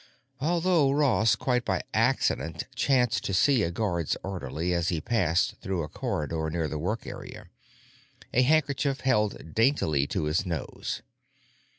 (Although Ross quite by accident chanced to see a guard's orderly as he passed through a corridor near the work area, a handkerchief held daintily to his nose.